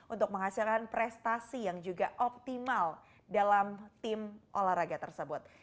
untuk menghasilkan prestasi yang juga optimal dalam tim olahraga tersebut